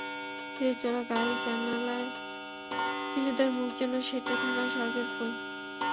ধীরে চলা গাড়ির জানালায় শিশুদের মুখ যেন সেঁটে থাকা স্বর্গের ফুল।